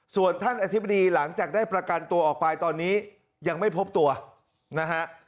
ส่วนท่านอธิบดีหลังจากได้ประกันตัวออกไปตอนนี้ยังไม่พบตัวนะฮะ